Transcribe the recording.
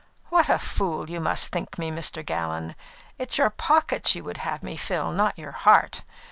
"What a fool you must think me, Mr. Gallon! It's your pockets you would have me fill, not your heart.